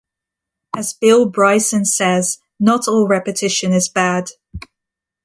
As Bill Bryson says, Not all repetition is bad.